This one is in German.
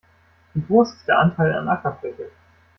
Wie groß ist der Anteil an Ackerfläche?